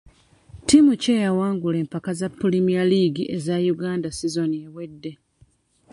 Ttiimu ki eyawangula empaka za pulimiya liigi eza Uganda sizoni ewedde.